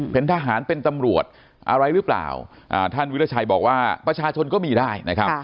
เป็นทหารเป็นตำรวจอะไรหรือเปล่าท่านวิราชัยบอกว่าประชาชนก็มีได้นะครับ